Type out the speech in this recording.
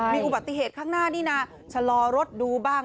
มีอุบัติเหตุข้างหน้านี่นะชะลอรถดูบ้าง